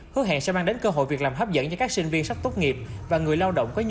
hứa hẹn sẽ mang đến cơ hội việc làm hấp dẫn cho các sinh viên sắp tốt nghiệp và người lao động có nhiều